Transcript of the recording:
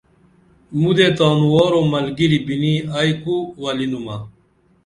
مُدے تانوار اُو ملگِرِی بِنی ائی کُو ولِنُمہ